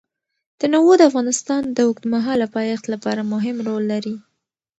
تنوع د افغانستان د اوږدمهاله پایښت لپاره مهم رول لري.